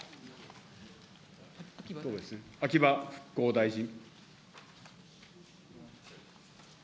秋葉復興大臣。